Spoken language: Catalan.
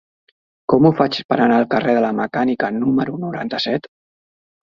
Com ho faig per anar al carrer de la Mecànica número noranta-set?